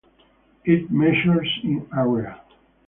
It measures in area.